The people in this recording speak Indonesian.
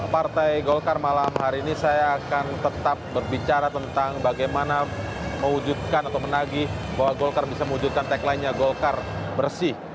partai golkar malam hari ini saya akan tetap berbicara tentang bagaimana mewujudkan atau menagih bahwa golkar bisa mewujudkan tagline nya golkar bersih